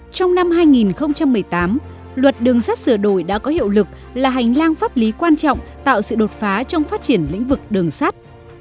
trong năm hai nghìn một mươi tám luật đường sắt sửa đổi đã có hiệu lực là hành lang pháp lý quan trọng tạo sự đột phá trong phát triển lĩnh vực đường sắt